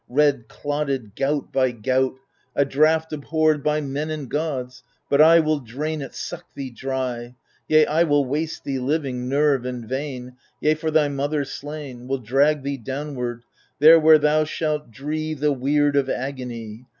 Red, clotted, gout by gout, — THE FURIES 149 A draught abhorred of men and gods ; but I Will drain it, suck thee dry ; Yea, I will waste thee living, nerve and vein ; Yea, for thy mother slain. Will drag thee downward, there where thou shalt dree The weird of agony